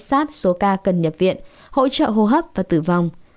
sát số ca cần nhập viện hỗ trợ hô hấp và tử vong